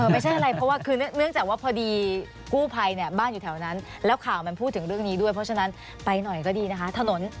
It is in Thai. ไม่ใช่อะไรเพราะว่าคือเนื่องจากว่าพอดีกู้ภัยเนี่ยบ้านอยู่แถวนั้นแล้วข่าวมันพูดถึงเรื่องนี้ด้วยเพราะฉะนั้นไปหน่อยก็ดีนะคะถนน